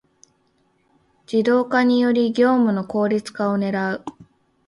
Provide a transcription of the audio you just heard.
ⅱ 自動化により業務の効率化を狙う